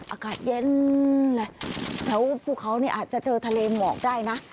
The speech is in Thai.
อากาศเย็นแหละแต่ว่าพวกเขาอาจจะเจอทะเลหมอกได้นะ